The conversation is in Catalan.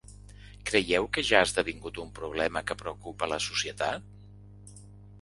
Creieu que ja ha esdevingut un problema que preocupa a la societat?